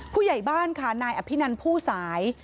ผู้ใหญ่บ้านค่ะนายอภินันผู้สาย